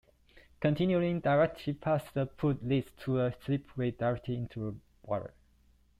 Continuing directly past the put leads to a slipway directly into the water.